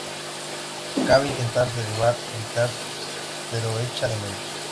Gabe intenta derribar Bitar, pero echa de menos.